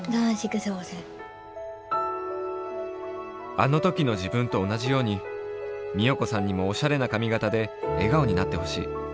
あのときの自分とおなじように美代子さんにもおしゃれな髪型で笑顔になってほしい。